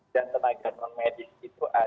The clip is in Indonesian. dan tenaga non medis itu ada lima puluh enam